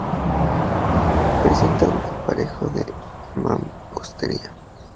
Presentan aparejo de mampostería.